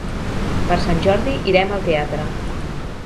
Per Sant Jordi irem al teatre.